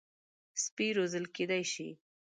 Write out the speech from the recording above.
سپي روزل کېدای شي.